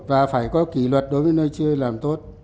và phải có kỷ luật đối với nơi chưa làm tốt